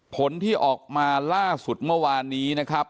ผลที่ออกมาล่าสุดเมื่อวานนี้นะครับ